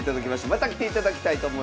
また来ていただきたいと思います。